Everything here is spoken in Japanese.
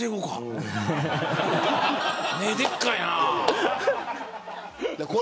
目、でっかいな。